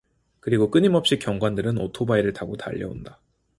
그리고 끊임없이 경관들은 오토바이를 타고 달려온다.